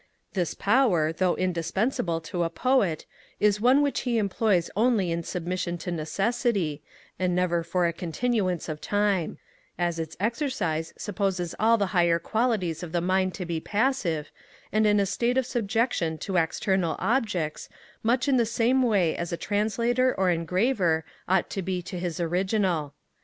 This power, though indispensable to a Poet, is one which he employs only in submission to necessity, and never for a continuance of time: as its exercise supposes all the higher qualities of the mind to be passive, and in a state of subjection to external objects, much in the same way as a translator or engraver ought to be to his original.